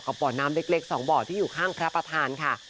บ่อน้ำเล็ก๒บ่อที่อยู่ข้างพระประธานค่ะ